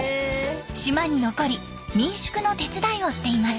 島に残り民宿の手伝いをしています。